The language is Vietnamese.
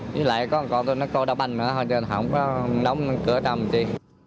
với lại có con tôi nó coi đọc anh mà thôi cho nên không có đóng cửa trong làm chi